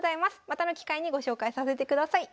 またの機会にご紹介させてください。